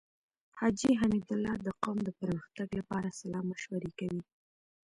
حاجی حميدالله د قوم د پرمختګ لپاره صلاح مشوره کوي.